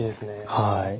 はい。